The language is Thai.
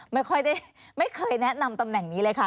ไม่ค่อยได้ไม่เคยแนะนำตำแหน่งนี้เลยค่ะ